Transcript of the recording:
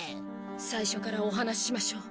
最初からお話ししましょう。